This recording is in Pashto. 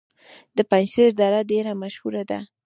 د پنجشیر دره ډیره مشهوره ده